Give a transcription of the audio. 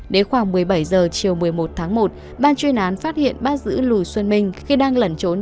đến khoảng một mươi bảy h chiều một mươi một tháng một ban chuyên án phát hiện bắt giữ lù xuân minh khi đang lẩn trốn